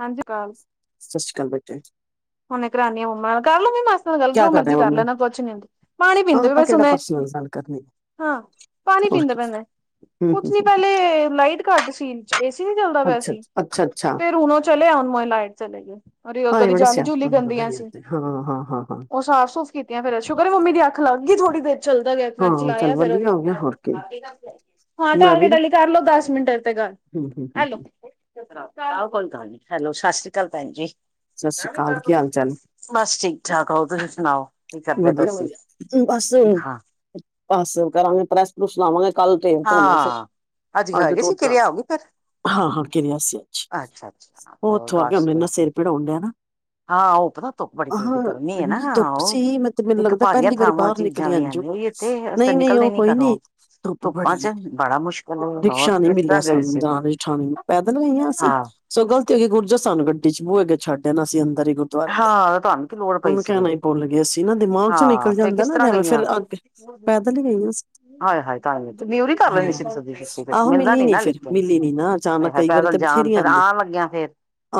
ਹਾਂਜੀ ਕਾਲ। ਠੀ। ਹੁਨੇ ਕਰਾਉਣੀ ਆ, ਮੰਮਾ ਨਾਲ। ਕਰਲਓ ਵੀ। ਗੱਲ ਜੋ ਮਰਜੀ ਕਰ ਲੈਣਾ ਕੁੱਛ ਨੀ ਹੁੰਦੀ। ਪਾਣੀ ਪੀਂਦੇ ਵੀ ਬੈ ਸੁਨ ਹਾਂ। ਪਾਣੀ ਪੀਂਦੇ ਪਾਇਣੇ। ਕੁਛ ਨੀ ਪਹਿਲੇ ਲਾਈਟ ਘੱਟ ਸੀ। ਏ ਸੀ ਨੀ ਚੱਲਦਾ ਪਿਆ ਸੀ। ਫਿਰ ਓ ਚਲਿਆ। ਲਾਈਟ ਚਲੇਗੀ। ਔਰ ਓਥੇ। ਸਿਆਪਾ ਲੱਗਦਾ ਈ ਏ ਤੇ ਹਾਂ ਹਾਂ ਹਾਂ। ਉਹ ਸਾਫ਼ ਸੁਫ਼ ਕੀਤੀਆਂ ਫੇਰ ਸ਼ੁਕਰ ਮੰਮੀ ਦੀ ਅੱਖ ਲੱਗ ਗਈ ਥੋੜ੍ਹੀ ਦੇਰ। ਚੱਲਦਾ ਗਿਆ ਤੇ ਮੈਂ ਚਲਾਇਆ ਫਿਰ ਉਹਦੀ। ਹਾਂ ਟਾਰਗੇਟ ਵਾਲੀ ਕਰ ਲਓ ਦਸ ਮਿੰਟ ਤੇ ਗੱਲ। ਆਹੋ ਕੋਈ ਗੱਲ ਨੀ ਹੈਲੋ ਸਤਿ ਸ੍ਰੀ ਅਕਾਲ ਭੈਣ ਜੀ। ਬਸ ਠੀਕ- ਠਾਕ, ਹੋਰ ਤੁਸੀਂ ਸੁਣਾਓ? ਵਧੀਆ ਵਧੀਆ ਬਸ ਬਸ ਕਰਾਂਗੇ ਪ੍ਰੈਸ ਪ੍ਰੂਸ ਲਾਵਾਂਗੇ। ਕੱਲ ਟ੍ਰੇਨ ਤੋਂ ਹੋਣਾ ਫਿਰ। ਅੱਜ ਹੈਗੇ ਸੀ ਘਰੇ ਆਵੀਂ ਫੇਰ। ਹਾਂ ਹਾਂ ਕਿਰਿਆ ਸੀ ਅੱਜ ਉੱਥੋਂ ਆ ਕੇ ਹੁਣ ਏਨਾ ਸਿਰ ਪਿੜ ਹੋਣ ਦਿਆ ਏ ਨਾ। ਹਾਂ ਓ ਪਤਾਂ ਧੁੱਪ ਬੜੀ ਤੇਜ ਏ ਗਰਮੀ ਏ ਨਾ। ਸੀ ਮਤਲਬ ਮੈਨੂੰ ਲੱਗਦਾ ਪਹਿਲੀ ਵਾਰੀ ਬਾਹਰ ਨਿਕਲੀ ਅੰਜੂ ਨਹੀਂ ਨਹੀਂ ਉਹ ਕੋਈ ਨੀ। ਬੜੀ ਰਿਕਸ਼ਾ ਨਹੀਂ ਮਿਲਿਆ ਸਾਨੂੰ ਜਾ ਵੀ ਠਾਣੇ ਨੂੰ ਪੈਦਲ ਗਈਆਂ ਅਸੀਂ ਸਗੋਂ। ਤੇ ਗੁਰਜੋ ਸਾਨੂੰ ਗੱਡੀ ਚ ਬੂਹੇ ਅੱਗੇ ਛੱਡ ਆਂਦਾ ਸੀ ਅੰਦਰ ਹੀ ਗੁਰਦੁਆਰੇ ਦੇ ਉਹਨੂੰ ਕਹਿਣਾ ਹੀ। ਭੁੱਲ ਗਏ ਸੀ ਨਾ ਦਿਮਾਗ ਚੋਂ ਨਿਕਲ ਜਾਂਦਾ ਨਾ ਜਿਵੇਂ ਫਿਰ ਅਗੇ ਪੈਦਲ ਹੀ ਗਈਆਂ ਸੀ। ਆਏ ਹਾਏ ਤਾਂ ਹੀ ਕਰ ਲੈਣੀ ਸੀ ਮਿਲਦਾ ਨੀ ਨਾ ਲੇਕਿਨ ਪੈਦਲ ਜਾ। ਆ ਫਿਰ ਆਣ ਲੱਗਿਆ ਫੇਰ।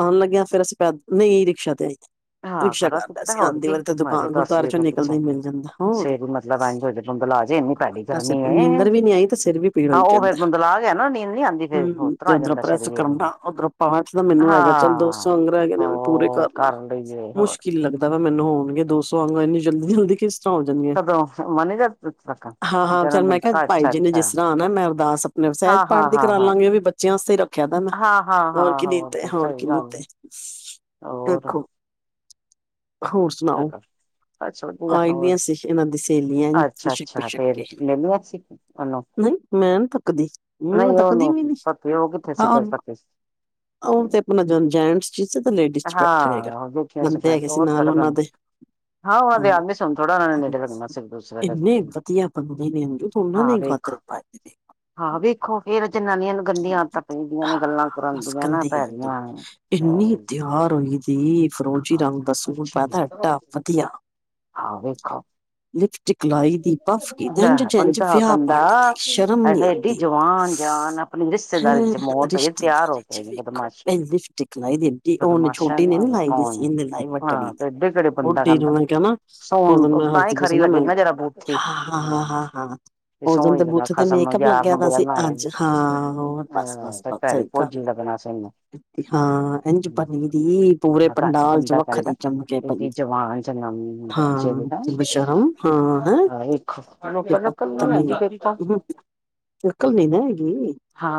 ਆਉਣ ਲੱਗਿਆ ਫੇਰ ਅਸੀਂ ਪੈ ਨੀਂ ਰਿਕਸ਼ਾ ਤੇ ਆਈਆਂ ਰਿਕਸ਼ਾ ਕਰ ਲਿਆ ਅਸੀਂ ਆਉਂਦੀ ਵਾਰੀ। ਦੁਕਾਨ ਗੁਰਦੁਆਰੇ ਚੋਂ ਨਿਕਲਦੇ ਹੀ ਮਿਲ ਜਾਂਦਾ ਹੋਰ ਬਸ ਨੀਂਦਰ। ਵੀ ਨੀ ਆਈ ਤੇ ਸਿਰ ਵੀ ਪੀੜ ਹੋਈ ਜਾਂਦਾ ਹਮ ਤੇ ਉੱਧਰੋਂ ਪ੍ਰੈਸ ਕਰਨਾ ਉੱਧਰੋਂ। ਪਾਠ ਦਾ ਮੈਨੂੰ ਹੈਗਾ ਚੱਲ ਦੋ ਸੌ ਅੰਗ ਰਹਿ ਗਏ ਨੇ ਓ ਵੀ ਪੂਰੇ ਕਰ ਲਾਂ। ਮੁਸ਼ਕਿਲ ਲੱਗਦਾ ਵਾ ਮੈਨੂੰ ਹੋਣਗੇ ਦੋ ਸੌ ਅੰਗ ਇੰਨੀ ਜਲਦੀ ਜਲਦੀ। ਸੌ ਜਨੇ ਹਾਂ ਹਾਂ ਚੱਲ ਮੈਂ ਕਿਹਾ ਭਾਈ ਜੀ ਨੇ ਜਿਸ ਤਰ੍ਹਾਂ ਆਉਣਾ ਮੈਂ ਅਰਦਾਸ ਆਪਣਾ। ਸਹਿਜ ਪਾਠ ਵੀ ਕਰਾ ਲਾਂਗੀ ਇਹ ਵੀ ਬੱਚਿਆਂ ਵਾਸਤੇ ਹੀ ਰੱਖਿਆ ਪਹਿਲਾਂ ਹੋਰ ਕੀ ਨੀ ਤੇ ਹੋਰ ਕੀ ਨੀ ਤੇ। ਹੋਰ। ਹੋਰ ਸੁਣਾਓ। ਹ। ਅੱਛਾ ਵਧੀਆ ਹੋਰ ਅੱਛਾ ਅੱਛਾ ਫੇਰ ਮਿਲ ਲਿਆ ਸੀ ਉਹਨੂੰ। ਮੈਂ ਨਹੀਂ ਥੱਕਦੀ ਮੈਂ ਥੱਕਦੀ ਵੀ ਨ। ਉਹ ਤੇ ਆਪਣਾ ਜ ਜੈਂਟਸ ਚ ਤੇ ਲੇਡੀਜ਼ ਚ ਬੈਠਿਆ ਹੋਏਗਾ ਬੰਦੇ ਹੈਗੇ ਸੀ ਨਾਲ ਉਹਨਾਂ ਦੇ। ਹਾਂ ਇੰਨੇ ਵਧੀਆ ਬੰਦੇ ਨੇ ਅੰਜੂ ਉਨਾ ਨੇ। ਗਾਤਰੇ ਪਾਏ ਨੇ। ਹਾਂ ਵੇਖੋ ਫੇਰ ਜਨਾਨੀਆਂ ਨੂੰ ਗੰਦੀਆਂ ਆਦਤਾਂ ਪੈਂਦੀਆਂ ਨੇ ਗੱਲਾਂ ਕਰਨ ਦੀਆਂ ਨਾ ਭੈੜੀਆਂ। ਇੰਨੀ ਤਿਆਰ ਹੋਈ ਸੀ ਫਰੋਜ਼ੀ ਰੰਗ ਦਾ ਸੂਟ ਪਾਇਆ। ਤਾ ਵਧੀਆ। ਟਿਕਲਾਈ ਦੀ ਪੱਫ਼ ਕੀ ਇੰਝ ਜਿੰਝ ਵਿਆਹ ਪਾਰਟੀ ਤੇ ਸ਼ਰਮ ਨੀ ਆਉਂਦੀ। ਫੇਰ ਰਿਸ਼ਤੇਦਾਰੀ ਚ ਵੇਖੋ ਐਂ ਲਿਪਸਟਿਕ ਲਾਈ ਦੀ ਏਡੀ ਓਨੇ ਛੋਟੀ ਨੇ ਨੀ। ਲਾਈ ਦੀ ਸੀਨ ਲਾਈ ਵੱਢਣੀ ਦੀ ਬੁੱਢੀ ਨੂੰ ਮੈਂ ਕਵਾਂ ਉਸ ਦਿਨ ਮੈਂ ਹਸਦੀ ਪਈ ਸੀ ਨਾ। ਹ ਹ ਹਾਂ ਹਾਂ ਹਾਂ ਹਾਂ। ਉਸ ਦਿਨ ਤੇ ਬੂਥੇ ਤੇ ਮੇਕਅਪ ਲੱਗਿਆ ਤਾਂ ਸੀ। ਅੱਜ ਹਾਂ ਹੋ ਬਸ ਬਸ ਬਸ ਸਹੀ ਗੱਲ ਆ। [inaudible] ਹਾਂ ਇੰਝ ਪਨੀ ਦੀ ਪੂਰੇ ਪੰਡਾਲ ਚ ਵੱਖਰੀ ਚਮਕ ਹੈ ਪਾਈ। ਇਹ ਜਵਾਨ ਜਨਾਨੀ ਬੱਚੇ ਵੀ ਹੈਂ। ਆ ਵੇਖੋ ਲੋਕਲ ਲੂਕਲ ਨੀ ਹੈਗੀ ਕਿਹੜੀ ਥਾਂ। ਅਕਲ ਨੀ ਨਾ ਹੈਗੀ।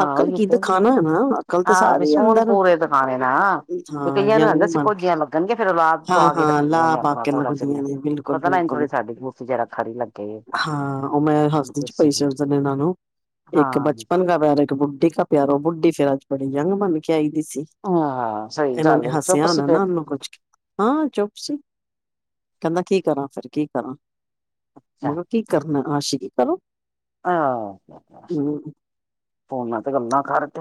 ਅਕਲ ਕੀ ਦਿਖਾਣਾ ਐ ਨਾ। ਅਕਲ ਤਾਂ ਸਾਰੀ ਅੰਦਰ ਹਾਂ ਯੰਗ। ਘੋਜੀਆਂ ਲੱਗਣਗੀਆਂ ਫੇਰ ਲਾ ਪਾ ਕੇ ਰੱਖਦੇ ਹਨ। ਆਪਣਾ ਥੋਡਾ ਜਨੇ ਪਤਾ ਨਾ ਇੰਨੀ ਸਾਡੀ। ਖੜੀ ਲੱਗੇਗੀ। ਹਾਂ, ਉਹ ਮੈਂ ਹਸਦੀ ਜੀ ਪਈ ਸੀ ਉਸ ਦਿਨ ਇਹਨਾਂ ਨੂੰ। ਇੱਕ ਬਚਪਨ ਕਾ ਪਿਆਰ। ਇੱਕ ਬੁੱਢੀ ਕਾ ਪਿਆਰ। ਉਹ ਬੁੱਢੀ ਫੇਰ ਅੱਜ ਬੜੀ ਯੰਗ ਬਣ ਕੇ ਆਈ ਦੀ ਸੀ। ਸੀ। ਇਹਨਾਂ ਨੇ ਹੱਸਿਆ ਹੋਣਾ ਨਾ ਉਹਨੂੰ ਕੁੱਝ ਕਹਿ। ਚੁੱਪ ਸੀ। ਕਹਿੰਦਾ ਕੀ ਕਰਾਂ ਫਿਰ ਕੀ ਕਰਾਂ ਮੈਂ ਕਿਹਾ ਕੀ ਕਰਨਾ ਹੈ? ਚੁੱਪ। ਆਸਣ ਕਰੋ। ਆਹ। ਫੋਨਾਂ ਤੇ ਗੱਲਾਂ ਕਰਦੇ। [inaudible]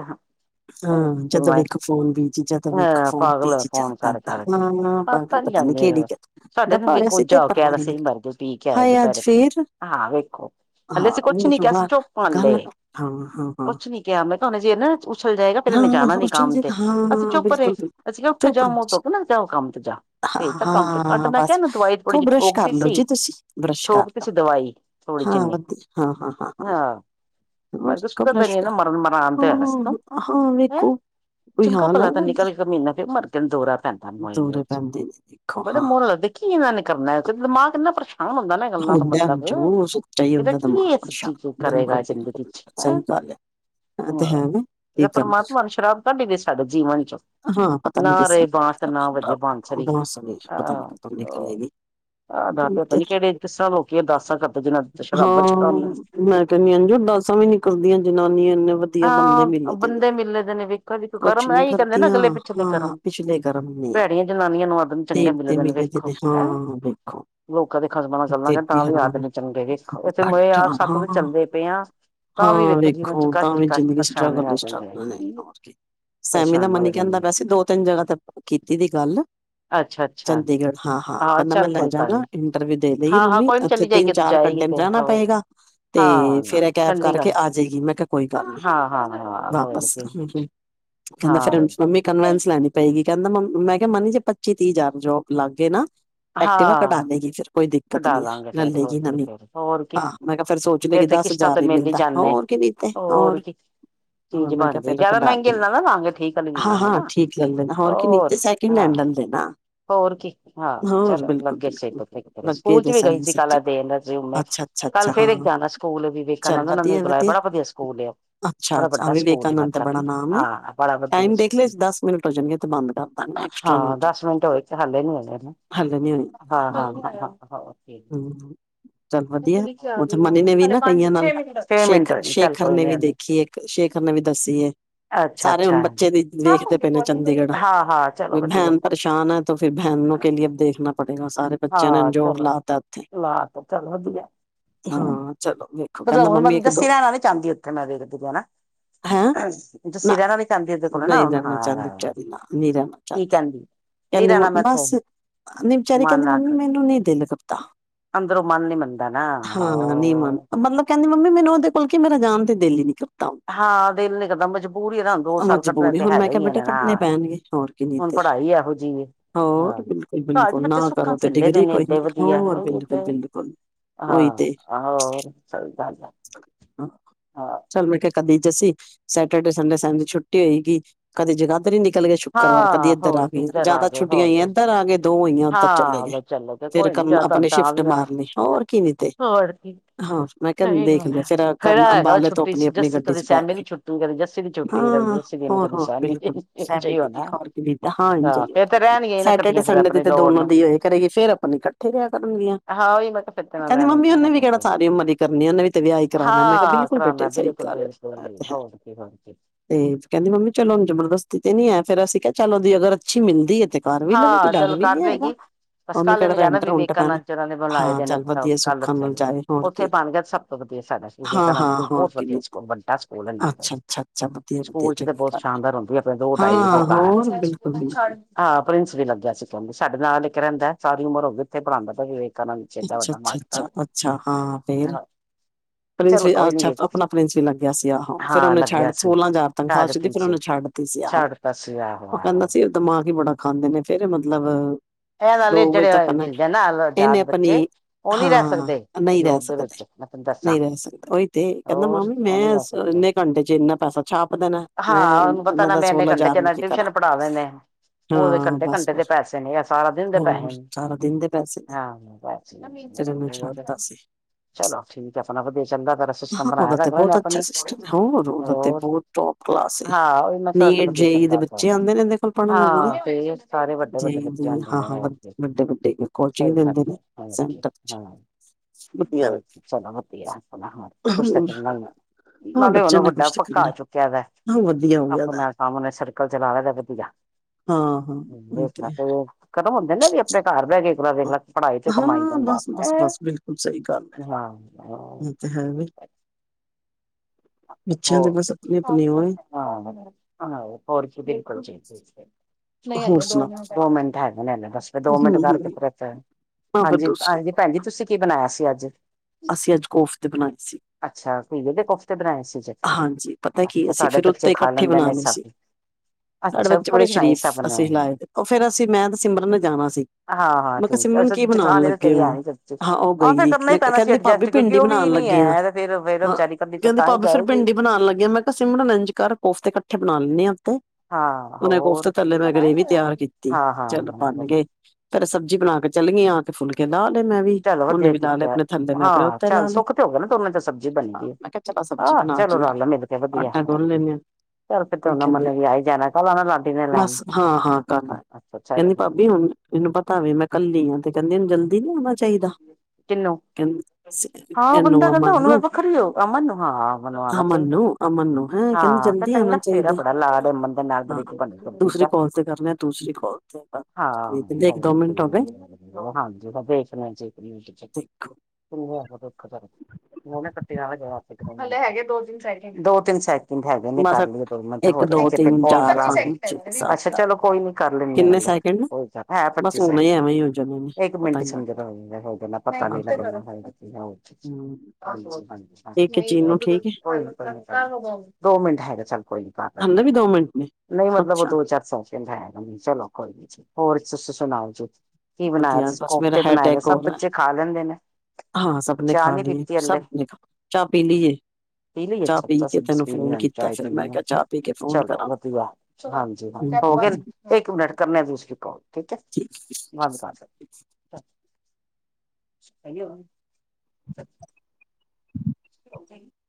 ਜਾਂਦੇ ਰਹੋ। ਉੱਥੇ ਸਾਡੇ ਤਾਂ ਦੇਖੋ ਚਾਹ ਵਗੈਰਾ ਸਹੀ ਬਣਦੀ ਹੈ। ਪੀ ਕੇ ਆਏ ਦੁਪਹਿਰੇ ਉੱਥੇ ਹਾਂ ਵੇਖੋ। ਹਲੇ ਤਾਂ ਕੁਝ ਨੀ ਕਿਹਾ ਸੀਂ। ਚੁੱਪ ਹਾਂ ਹਲੇ ਕੁਝ ਨੀ ਕਿਹਾ ਮੈਂ ਤੁਹਾਨੂੰ ਜੇ ਨਾ। ਉੱਛਲ ਜਾਏਗਾ। ਫਿਰ ਮੈਂ ਜਾਣਾ ਨੀ ਕੰਮ ਤੇ ਅਸੀਂ ਚੁੱਪ ਰਹੇ। ਅਸੀਂ ਕਿਹਾ ਉੱਠ ਜਾਓ। ਮੋਟੋ ਜਾਓ ਆਪਣਾ ਕੰਮ ਤੇ ਜਾ। ਭੇਜ ਤਾਂ ਕੰਮ ਤੇ ਕੱਲ ਮੈਂ ਕਿਹਾ ਦਵਾਈ ਥੋੜ੍ਹੀ ਜਿਹੀ ਠੋਕਦੀ ਸੀ। ਠੋਕਤੀ ਸੀ ਦਵਾਈ। ਹੁਣ ਚੀਨੀ। ਹਾਂ ਹਾਂ ਹਾਂ ਹੋਰ ਸੀਗਾ ਹੂੰ ਹੂੰ। ਹਾਂ ਵੇਖੋ। ਚੰਗਾ ਭਲਾ ਤਾਂ ਨਿਕਲ ਕੇ ਮਹੀਨਾ ਫਿਰ ਮਰ ਗਿਆ ਦੌਰਾ ਪੈਂਦਾ ਮੋਏ ਨੂੰ। ਵਿੱਚ ਬੜੇ ਮੋਹ ਲੱਗਦੇ। ਕੀ ਇਹਨਾਂ ਨੇ ਕਰਨਾ ਹੈ। ਤੇ ਦਿਮਾਗ ਕਿੰਨਾ ਪ੍ਰੇਸ਼ਾਨ ਗੱਲਾਂ ਤੋਂ ਮਤਲਬ। ਇਹਦਾ ਕੀ ਹੈ ਸੱਚੀ ਤੂੰ ਕਰੇਗਾ ਜ਼ਿੰਦਗੀ 'ਚ ਹੈ। ਹੈਨਾ। ਹਹ ਜਦੋਂ ਪਰਮਾਤਮਾ ਨੂੰ ਸ਼ਰਾਬ ਤੁਹਾਡੇ ਲਈ ਸਾਡੇ ਜੀਵਨ ਹੀ 'ਚ। [inaudible] ਹਾਂ ਪਤਾ ਨੀ ਕਿਸ ਤਰ੍ਹਾਂ ਬਹੁਤ ਸਾਰੇ ਪਤਾ ਨੀ ਕਿੱਥੋਂ ਨਿਕਲੇ ਨੇ। ਆਹ ਦਰ ਤੇ ਪਤਾ ਨੀ ਕਿਹੜੇ ਜਿੱਥੇ ਸਭ ਲੋਕੀ ਅਰਦਾਸਾ ਕਰਦੇ ਜਿੰਨਾ ਨੇ ‌। ਹਾਂ ਮੈਂ ਕਹਿੰਦੀ ਇਹਦੀ ਅਰਦਾਸਾਂ ਵੀ ਨੀ ਕਰਦੀਆਂ ਜਨਾਨੀਆਂ। ਇੰਨੇ ਵਧੀਆ ਬੰਦੇ ਮਿਲੇ ਤੇ। ਬੰਦੇ ਮਿਲਣੇ ਨੇ ਵੇਖੋ ਵੀ ਕੋਈ ਕਰਮ ਆ ਐਹੀ ਕਹਿੰਦੇ ਨਾ। ਅਗਲੇ ਪਿੱਛੇ ਦੇ ਕਰਮ ਭੈੜੀਆਂ ਜਨਾਨੀਆਂ ਨੂੰ। ਬੰਦੇ ਚੰਗੇ ਮਿਲਦੇ ਨੇ ਵੇਖੋ ਹੈਂ। ਲੋਕਾਂ ਦੇ ਖਸਮਾਂ ਨਾਲ ਚੱਲਣਗੇ ਤਾਂ ਵੀ ਆਦਮੀ ਚੰਗੇ ਨੇ। ਇੱਥੇ ਮੋਏ ਆਪ ਸੱਤ ਵਜੇ ਚੱਲਦੇ ਪਏ ਆ। ਤਾਂ ਵੀ ਵੇਖੋ। ਜੀਵਨ 'ਚ ਕਸ਼ਟ ਹੀ ਕਸ਼ਟ ਪਰੇਸ਼ਾਨ ਰਿਹਾ ਜਾਂਦਾ ਹੈ। ਸੈਮੀ ਦਾ ਮੰਨੀ ਕਹਿੰਦਾ ਵੈਸੇ ਦੋ ਤਿੰਨ ਜਗ੍ਹਾ ਤੇ ਕੀਤੀ ਦੀ ਗੱਲ। ਚੰਡੀਗੜ੍ਹ ਹਾਂ ਹਾਂ ਕਹਿੰਦਾ ਮੈਂ ਲੈ ਜਾਗਾ। ਦੇ ਲਈਗੀ। ਮੰਮੀ ਉੱਥੇ ਤਿੰਨ ਚਾਰ ਘੰਟੇ ਬਹਿਣਾ ਪਏਗਾ ਤੇ ਫੇਰ ਇਹ ਕੈਬ ਕਰਕੇ ਆ ਜਾਏਗੀ। ਮੈਂ ਕਿਹਾ ਕੋਈ ਗੱਲ ਨੀ ਵਾਪਸ ਹੂੰ ਹੂੰ। ਕਹਿੰਦਾ ਫਿਰ ਮੰਮੀ ਕਨਵਿੰਸ ਲੈਣੀ ਪਏਗੀ ਕਹਿੰਦਾ ਮੰਮੀ ਮੈਂ ਕਿਹਾ। ਜੇ ਪੱਚੀ ਤੀਹ ਹਜ਼ਾਰ ਜੋ ਲੱਗ ਗਏ ਨਾ ਐਕਟਿਵਾ ਕਢਾ ਲਏਗੀ ਫਿਰ। ਕੋਈ ਦਿੱਕਤ ਨੀ ਹੈ ਨਾ ਲੈਈਏ ਨਾ ਦੇਈਏ ਹਾਂ। ਮੈਂ ਕਿਹਾ ਫੇਰ ਸੋਚ ਦੇ ਕਿੱਦਾ ਦਸ ਹਜ਼ਾਰ ਹੀ ਮਿਲਦਾ ਹੋਰ। ਵੀ ਤੇ ਹੋਰ। ਹੁਣ ਮੈਂ ਕਿਹਾ ਫੇਰ ਘਟਾਦੀ ਹਾਂ। ਹਾਂ ਠੀਕ ਹੈ ਬੇਟਾ ਹੋਰ ਕੀ ਨੀਚੇ ਸੈਕਿੰਡ ਹੈਂਡ। ਕੱਲ ਦੇਣਾ। ਹੋਰ ਕੀ, ਹਾਂ ਚਲੋ, ਲਗੇ ਸੇ [unintelligible] ਫੇਰ ਅਸੀਂ ਸਕੂਲ ਚ ਵੀ ਗਈ ਸੀ ਕੱਲ ਏਹ ਦੇਣ ਰਿਜ਼ੂਮੇ। ਕੱਲ ਫ਼ੇਰ ਇੱਕ ਆਣਾ ਸਕੂਲ ਵਿਵੇਕਾਨੰਦ, ਉਹਨਾਂ ਨੇ ਵੀ ਬੁਲਾਇਆ ਬੜਾ ਵਧੀਆ ਸਕੂਲ ਏ ਔਹ। ਬੜਾ ਵੱਡਾ ਸਕੂਲ ਏ ਮਤਲਬ ਨੀ, ਹਾਂ ਬੜਾ ਵਧੀਆ ਸਕੂਲ। ਹਾਂ ਦਸ ਮਿੰਟ ਹੋਏ, ਹਲੇ ਨਈ ਹੋਏ ਨੇ ਨਾ, ਹਾਂ-ਹਾਂ-ਹਾਂ-ਹਾਂ। ਹੋਰ ਕੀ। ਚੱਲ ਵਧੀਆ ਏ, ਔਥੇ ਮਨੀ ਨੇ ਵੀ ਨਾ ਕਈਆਂ ਨਾਲ ਸ਼ੇਖ ਸ਼ੇਖਰ ਨੇ ਵੀ ਦੇਖੀ ਇੱਕ ਸ਼ੇ ਸ਼ੇਖਰ ਨੇ ਵੀ ਦੱਸੀ ਏ। ਸਾਰੇ ਹੁਣ ਬੱਚੇ ਵੀ ਦੇੇਖਦੇ ਪਏ ਨੇ, ਚੰਡੀਗੜ੍ਹ, ਹੁਣ ਮੇ ਤੋ ਫਿਰ ਭੈਹਨੋ ਕੇ ਲਿਏ ਅਬ ਦੇਖਣਾ ਪੜੇਗਾ, ਉਹ ਸਾਰੇ ਬੱਚਿਆਂ ਨੇ ਚਲੋ, ਲਾ ਤੇ, ਚੱਲ ਵਧੀਆ ਏ। ਹੂੰ, ਮਤਲਬ ਹੁਣ ਮਤਬ ਜੱਸੀ ਰਹਿਨਾ ਨੀ ਚਾਂਦੀ ਉੱਥੇ, ਮੈਂ ਵੇਖਦੀ ਬੀ ਆ ਨਾ। ਜੱਸੀ ਰਹਿਣਾ ਨਈ ਚਾਹੁੰਦੀ ਏਦੇ ਕੋਲ ਨਾ ਹੁਣ, ਹਾਂ, ਕੀ ਕਹਿੰਦੀ? ਨਈ ਰਹਿਣਾ ਮੈਂ ਇੱਥੇ, ਮਨ ਨਾਲ। ਮੈਨੂੰ ਨਈ [unintelligible] ਹਾਂ ਨੀ ਮੰਨ, ਮਤਲਬ ਕਹਿੰਦੀ ਮੰਮੀ ਮੈਨੂੰ ਉਹਦੇ ਬਲਕਿ ਮੇਰਾ ਜਾਨ ਤੇ ਦਿੱਲ ਈ ਨੀ ਕਰ ਹਾਂ ਦਿਲ ਨੀ ਕਰਦਾ, ਮਜਬੂਰੀ ਏ ਨਾ, ਹੁਣ ਦੋ ਸਾਲ ਕੱਟਣੇ ਤੇ ਹੈਗੇ ਈ ਹੈ ਨਾ, ਹਾਂ, ਹੁਣ ਪੜ੍ਹਾਈ ਇਹੋ ਜਿਹੀ ਏ ਹਾਂ, ਘਰ ਚ ਬੱਚੇ ਸੁੱਖਾਂ ਝੇਲੇ ਦੇ ਨੇ ਦੇ ਦੀ ਏ ਓਹੀਓ ਤੇ। ਹਾਂ ਹੋਰ? ਸਈ ਗੱਲ ਏ। ਚੱਲ ਮੈਂ ਕਿਆ ਕਦੀ ਜੱਸੀ, ਸੈਟਰਡੇ ਸੰਡੇ ਸੇਮ ਦੀ ਛੁੱਟੀ ਹੋਏਗੀ, ਕਦੇ ਜਗਾ ਇੱਧਰ ਈ ਨਿਕਲ ਗਏ ਸ਼ੁੱਕਰਵਾਰ, ਕਦੀ ਇੱਧਰ ਆ ਗਏ, ਜਿਆਦਾ ਛੁਟੀਆਂ ਈਆਂ ਇੱਧਰ ਆ ਗੇ, ਦੋ ਹੋਈਆਂ ਉੱਧਰ ਚਲੇ ਗੇ। ਫਿਰ ਕਰਨ ਆਪਣੇ ਸ਼ਿਫਟ ਮਾਰਨੀ, ਹੋਰ ਕੀ ਨੀ ਤੇ। ਹਾਂ, ਮੈਂ ਕੇਹਾ ਦੇਖ ਲੇ ਫੇਰ ਆ ਕਰਨ ਅੰਬਾਲੇ ਤੋਂ ਆਪਣੀ-ਆਪਣੀ ਗੱਡੀ ਚ ਬਹਿ ਗਏ। ਹਾਂ ਹਾਂ, ਹਾਂ-ਹਾਂ, ਬਿਲਕੁਲ ਹੋਰ ਕੀ ਨੀ ਤਾਂ ਹਾਂਜੀ [unintelligible] ਸੈਟਰਡੇ ਸੰਡੇ ਦੀ ਤੇ ਦੋਨੋ ਦੀ ਹੋਏ ਕਰੇਗੀ ਫੇਰ ਇਕੱਠੇ ਰਿਹਾ ਕਰਨ ਗਿਆ, ਕਹਿੰਦੀ ਮੰਮੀ ਉਹਨੇ ਵੀ ਕਿਹੜਾ ਸਾਰੀ ਉਮਰ ਈ ਕਰਨੀ ਏ? ਉਹਨੇ ਵੀ ਤੇ ਵਿਆਹ ਈ ਕਰਾਂਣਾ ਮੈਂ ਕਿਹਾ ਹਾਂ ਕਰਾਣਾ ਏ, ਬਿਲਕੁਲ-ਬਿਲਕੁਲ, ਹੋਰ ਕੀ, ਹੋਰ ਕੀ। ਤੇ ਕਹਿੰਦੀ ਮੰਮੀ ਚਲੋ ਹੁਣ ਜਬਰਦਸਤੀ ਤੇ ਨੀ ਐ, ਫ਼ਿਰ ਅਸੀਂ ਕਿਹਾ, ਚਲ ਉਹਦੀ ਅਗਰ ਅੱਛੀ ਮਿਲਦੀ ਏ ਹਾਂ ਚੱਲ ਕਰ ਲਏਗੀ। ਬਸ ਕੱਲ ਕੀਤੇ ਨੀ ਜਾਣਾ ਵਿਵੇਕਾ ਨੰਚਰਾਂ ਨੇ ਬਣਾਏ ਦੇ ਨੇ, ਅਹ ਕੱਲ ਔਥੇ, ਔਥੇ ਬਣ ਗਿਆ ਸਭ ਤੋਂ ਵਧੀਆ ਸਾਡਾ ਸ ਵਿਵੇਕਾਨੰਦ ਸਕੂਲ, ਬਹੁਤ ਵਧੀਆ ਸਕੂਲ, ਵੱਡਾ ਸਕੂਲ ਐ ਨਾਮ ਵਾਈਸ, ਸਕੂਲ ਚ ਤੇ ਬਹੁਤ ਸ਼ਾਨਦਾਰ ਹੁੰਦੀ ਆ ਦੋ ਢਾਈ ਵਜੇ [unintelligible] ਹਾਂ। ਪ੍ਰਿੰਸ ਵੀ ਲੱਗਿਆ ਸੀ [unintelligible] ਸਾਡੇ ਨਾਲ ਇੱਕ ਰਹਿੰਦਾ ਏ, ਸਾਰੀ ਉਮਰ ਹੋਗੀ ਉਥੇ ਪੜਾਦਾ ਬੇਆ ਵਿਵੇ ਅੱਛਾ-ਅੱਛਾ-ਅੱਛਾ-ਅੱਛਾ ਹਾਂ ਫੇਰ ਪਿ੍ਸ ਵੀ ਅਹ ਅਛਾ, ਅਪਣਾ ਪ੍ਰਿੰਸ ਈ ਲੱਗਿਆ ਸੀ ਆਹੋ, ਫੇਰ ਉਹਨੇ ਛੱਡ, ਸੋਲਾਂ ਜਾਰ ਤੰ ਲਗੀ ਸੀ ਆਹੋ, ਔਹ ਕਹਿੰਦਾ ਸੀ, ਏ ਦਿਮਾਗ ਈ ਬੜਾ ਖਾਂਦੇ ਨੇ, ਫੇਰ ਮਤਲਬ ਦੋ ਵਜੇ ਤੱਕ ਆਣਾ ਏ, ਇਹਨੇ ਆਪਣੀ ਹਾਂ, ਨਈ ਰਹਿ ਸਕਦੇ। ਨਈ ਰਹਿ ਸਕਦਾ, ਉਹੀ ਤੇ, ਕਹਿੰਦਾ ਮਾਮੀ ਮੈਂ ਇਸ ਇੰਨੇ ਘੰਟੇ ਚ ਇੰਨਾ ਪੈਸਾ ਛਾਪ ਦੇਣਾ ਏ। ਮੈਂ ਤੁਹਨੂੰ ਪਤਾ ਨਾ, ਮੈਂ ਇਨੇ ਘੰਟੇ ਚ ਏਨਾਂ ਟਿਊਸ਼ਨ ਪੜ੍ਹਾ ਦੇਣੇ, ਉਹਦੇ ਘੰਟੇ-ਘੰਟੇ ਦੇ ਪੈਸ ਨੇ ਸਾਰਾ ਦਿਨ ਦੇ ਪੈਹੇ ਨੇ, ਹਾਂ [unintelligible] ਹੋਰ। ਚਲੋ ਠੀ ਸੋਹਣਾ, ਵਧੀਆ ਚੰਗਾ ਪਰਾ ਸਿਸਟਮ ਬਣਾਇਆ ਦਾ ਅਗਲੇ ਨੇ ਆਪਣੀ। ਹੋਰ, ਹਾਂ ਆਹੋ ਇਨ੍ਹਾਂ ਸਾਰਾ ਤੇ ਵਧੀਆ ਚਲਦਾ ਅਪਾਂ, ਹਾਂ ਤੇ ਸਾਰੇ ਵੱਡੇ-ਵੱਡੇੇ ਹਾਂ-ਹਾਂ ਵ ਵੱਡੇ-ਵੱਡੇ ਕੋਚਿੰਗ ਦਿੰਦੇ ਨੇ, ਸੈਂਟਰ ਚ। ਹੋਰ ਚਲੋ ਵਧੀਆ ਏ ਅਪਣਾ ਹੁਣ, ਕੁਛ ਤੇ ਕਰਨਾ ਈ ਏ। ਨਾਲੇ ਹੁਣ ਉਹ ਵੱਡਾ ਪੱਕਾ ਹੋ ਚੁੱਕਿਆ ਦਾ ਏ। ਆਪਣੇ ਕੰਮ ਨੇ, ਸਰਕਲ ਚਲਾ ਲੇ ਤੇ ਵਧੀਆ [unintelligible] ਖ਼ਤਮ ਹੁੰਦੇ ਨੇ ਵੀ ਆਪਣੇ ਘਰ। ਦੇਖ ਲ ਵੇਖ ਲਾ ਪੜ੍ਹਾਈ ਚ ਕਮਾਈ ਦਿੰਦਾ ਹੈ। [inaudible] [inaudible] [unintelligible] ਹੋ ਹੋਰ। ਨਈ ਹਲੇ ਦੋ ਮਿੰਟ ਦੋ ਮਿੰਟ ਹੈਗੇ ਨੇ ਹਲੇ ਬਸ ਫੇਰ ਦੋ ਮਿੰਟ ਕਰਕੇ ਫਰਤੇ। ਹਾਂਜੀ-ਹਾਂਜੀ ਭੈਣ ਜੀ ਤੁਸੀਂ ਕੀ ਬਣਾਇਆ ਸੀ ਅੱਜ? ਅਸੀਂ ਅੱਜ ਕੋਫਤੇ ਬਣਾਏ ਸੀ। ਘਿਏ ਦੇ ਕੋਫਤੇ ਬਣਾਏ ਸੀ। ਹਾਂਜੀ ਪਤਾ ਕੀ ਅਸੀਂ ਫਿਰ ਉੱਤੇ ਇਕੱਠੇ ਬਣਾਣੇ ਸੀ। ਸਾਡੇ ਬੱਚੇ ਬੜੇ ਸ਼ਰੀਫ ਅਸੀਂ ਹਿਲਾਏ ਤੇ ਉਹ ਫੇਰ ਅਸੀਂ ਮੈਂ ਤੇ ਸਿਮਰਨ ਨੇ ਜਾਣਾ ਸੀ। ਮੈਂ ਕਿਹਾ ਸਿਮਰਨ ਨੂੰ ਕੀ ਬਨਾਣ ਲੱਗੇ ਓ ਹਾਂ ਉਹ ਗਈ ਦੀ ਮੈਂ ਕ ਕਹਿੰਦੀ ਭਾਬੀ ਪਿੰਡੀ ਬਨਾਣ ਲੱਗੀ। ਗਿਆ ਹ ਕਹਿੰਦੇ ਭਾਬੀ ਫਿਰ ਪਿੰਡੀ। ਬਨਾਣ ਲੱਗਿਆ ਮੈਂ ਕਿਅ ਸਿਮਰਣ ਇੰਨਜ ਕਰ ਕੋਫਤੇ ਕੱਠੇ ਬਣਾ ਲੀਨੇ। ਤੇ ਉਹਨੇ ਕੋਫਤੇ ਥੱਲੇ ਮੈਂ ਗਰੇਵੀ ਤਿਆਰ ਕੀਤੀ ਚੱਲ ਬਨਗੇ ਫੇਰ ਸਬ। ਜੀ ਬਣਾ ਕੇ ਚੱਲ ਗੀਆ ਫੇ ਫੁਲਕੇ ਦਾਲ। ਮੈਂ ਵੀ ਉਹਨੇ ਵੀ ਲਾ ਲਏ ਆਪਣੇ ਥੱਲੇ ਮੈਂ ਆਪਣੇ ਉੱਤੇ ਲਾ ਲਏ ਮੈਂ ਕਿਹਾ ਚਲਾ ਸ। ਜ ਅੱਠਾਂ ਤੋਨ ਲੈਂਦੇ ਆ। ੀਕਦੀ ਬਸ ਹਾਂ ਹਾਂ ਗੱਲ ਹੈ। [unintelligible] ਕਹਿੰਦੀ ਭਾਬੀ ਹੁਣ ਇਹਨੂੰ ਪਤਾ ਵੀ ਮੈਂ ਕੱਲੀ ਆ ਤੇ ਕਹਿੰਦੀ ਹੂੰ ਜਲਦੀ ਨ ਆਉਣਾ। ਕਿਨੂੰ ਹਾਂ ਉਹ ਬੰਦਾ ਕਹਿੰਦਾ ਹੁਣੂੰ ਮ ਵੱਖਰੀ ਹੋ ਅਮਨ ਨੂੰ ਹਾਂ। ਆਉਣਾ ਚਾਹੀਦਾ ਹਾਂ ਤੇ ਚੰਗਾ ਤੇਰਾ ਬੜਾ ਲਾਡਮਨ ਦੇ ਨਾਲ ਬੜੀ ਬਦੀ। ਹਾਂ ਹਾਂਜੀ ਦੇਖ। ਦਨੇ ਕੱਟੇ ਨਾਲ। ਹਲੇ ਹੈਗੇ ਦੋ ਤਿੰਨ ਸਾਈਕ ਦੋ ਤਿੰਨ ਸਾਈਕ ਕਹਿੰਦੇ ਹੈਗੇ ਨੇ ਕਰ ਲਈਏ ਦੋ ਮਿੰਟ ਹੋਰ ਕ ਕਰ ਅੱਛਾ ਚਲੋ ਕੋਈ ਨੀ ਕਰ ਲੈਂਦੇ ਹੈ। ਹੋਦਾ ਹੈ ਪੱਚੀ ਸੈਕਿੰਡ ਇੱਕ ਮਿੰਟ ਸਮਝ। ਹੋ ਪਤਾ। ਕੋ ਕੋ ਦੋ ਮਿੰਟ ਹੈਗਾ ਚ। ਕੋਈ ਨ ਪਤਾ ਨਹੀਂ ਮਤਲਬ ਉਹ ਦੋ ਚਾਰ ਸੌਚਠਗਾ ਨਹੀਂ ਚਲੋ ਕੋਈ ਨੀ। ਹੋਰ ਤੁਸੀਂ ਸੁਣਾਓ ਜੀ ਕੀ ਬਣਾਇਆ ਤੁ ਕੋਫਤੇ ਬਣਾਏ ਸਭ ਬੱਚੇ ਖਾ ਲੈਂਦੇ ਨੇ। ਹਾਂ ਸਭ ਨੇ ਖਾ ਲਈਏ ਸਭ ਨੇ ਖ ਚਾਹ ਪੀ ਲਈਏ ਪੀਲ ਹੀ ਅਛਾਸੀਸੀਰ ਹ ਚਾਏ ਪੀ ਹ ਚਲੋ ਵਧੀਆ ਹਾਂਜੀ ਹਾਂਜੀ। ਹੋ ਗਏ ਇੱਕ ਮਿੰਟ ਕਰਨੇ ਦੂਸਰੀ ਕੋਲ ਠੀਕ ਹੈ ਬੰਦ ਕਰ। ਹਜੋ ਆ। [unintelligible] [unintelligible]